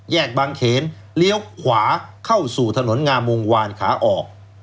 บางเขนเลี้ยวขวาเข้าสู่ถนนงามวงวานขาออก